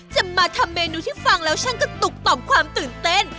จะมาทำเมนูที่ฟังแล้วช่างก็ตุกต่อมความตื่นเต้น